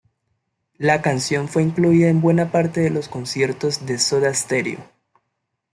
La canción fue incluida en buena parte de los conciertos de Soda Stereo.